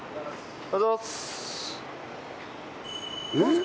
おはようございます。